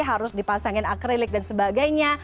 harus dipasangin akrilik dan sebagainya